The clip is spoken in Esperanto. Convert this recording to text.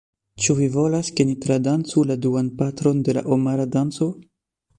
Ĉu vi volas ke ni tradancu la duan parton de la Omara Danco?